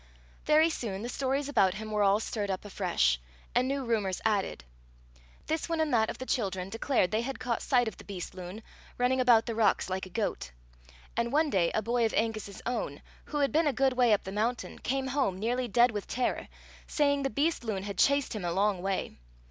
Very soon the stories about him were all stirred up afresh, and new rumours added. This one and that of the children declared they had caught sight of the beast loon, running about the rocks like a goat; and one day a boy of Angus's own, who had been a good way up the mountain, came home nearly dead with terror, saying the beast loon had chased him a long way.